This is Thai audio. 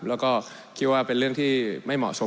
แล้วก็คิดว่าเป็นเรื่องที่ไม่เหมาะสม